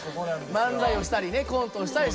漫才をしたりコントをしたりしてる場所で。